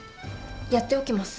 やっておきます。